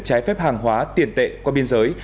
trái phép hàng hóa tiền tệ qua biên giới